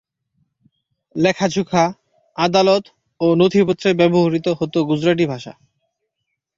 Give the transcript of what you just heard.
লেখা-জোখা, আদালত ও নথিপত্রে ব্যবহৃত হত গুজরাটি ভাষা।